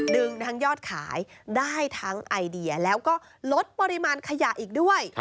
ดึงทั้งยอดขายได้ทั้งไอเดียแล้วก็ลดปริมาณขยะอีกด้วย